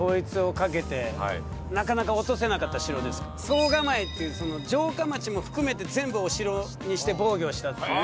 総構っていう城下町も含めて全部お城にして防御したっていう。